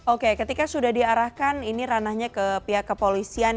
oke ketika sudah diarahkan ini ranahnya ke pihak kepolisian